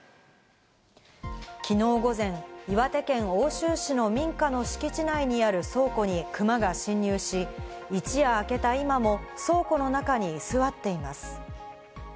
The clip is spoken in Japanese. きのう午前、岩手県奥州市の民家の敷地内にある倉庫にクマが侵入し、一夜明けた今も倉庫の中に居座っています。